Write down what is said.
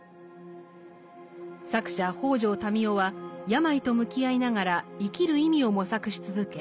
作者北條民雄は病と向き合いながら生きる意味を模索し続け